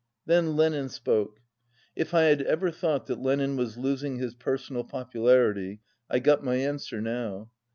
Then Lenin spoke. If I had ever thought that Lenin was losing his personal popularity, I got my answer now.